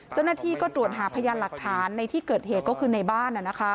เจ้าหน้าที่ก็ตรวจหาพยานหลักฐานในที่เกิดเหตุก็คือในบ้าน